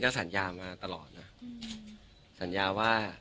ครับหมายถึงว่า